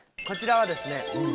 こちらはですね